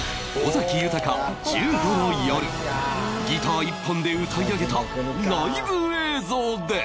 ギター１本で歌い上げたライブ映像です